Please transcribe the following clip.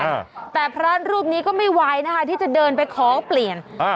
อ่าแต่พระรูปนี้ก็ไม่ไหวนะคะที่จะเดินไปขอเปลี่ยนอ่า